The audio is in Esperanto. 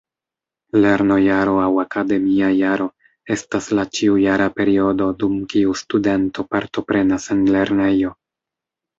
Lernojaro aŭ akademia jaro estas la ĉiujara periodo dum kiu studento partoprenas en lernejo.